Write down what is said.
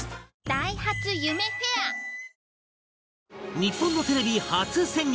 日本のテレビ初潜入！